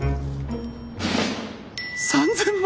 ・３０００万！？